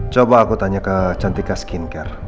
coba aku tanya ke cantika skincare